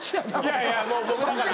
いやいやもう僕だから。